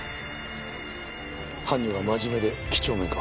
犯人は真面目で几帳面か？